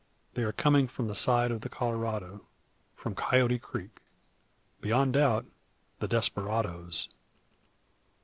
They are coming from the side of the Colorado from Coyote Creek. Beyond doubt the desperadoes!